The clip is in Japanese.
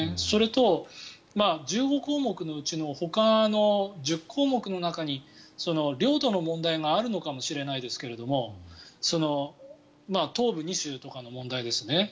それと、１５項目のうちのほかの１０項目の中に領土の問題があるのかもしれないですけども東部２州とかの問題ですね。